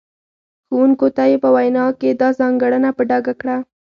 ښوونکو ته یې په وینا کې دا ځانګړنه په ډاګه کړه.